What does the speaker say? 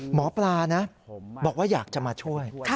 หมอปลานะบอกว่าอยากจะมาช่วย